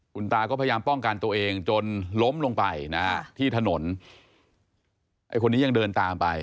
คุณตาก็พยายามป้องกันตัวเองจนล้มลงไปนะฮะที่ถนนไอ้คนนี้ยังเดินตามไป